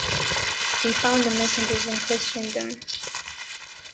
They found the messengers and questioned them.